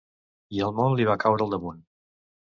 I el món li va caure al damunt.